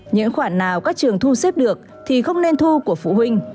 những khoản nào các trường thu xếp được thì không nên thu của phụ huynh